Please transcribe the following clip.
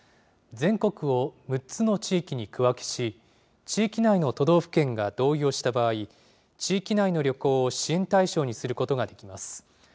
全国を６つの地域に区分けし、地域内の都道府県が同意をした場合、地域内の旅行を支援対象にすることができます。